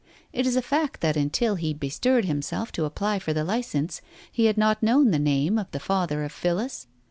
It is a fact that until he bestirred himself to apply for the licence, he had not known the name of the father of Phillis.